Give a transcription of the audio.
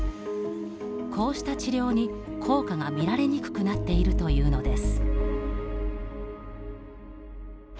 こうした治療に効果が見られにくくなっているというのです。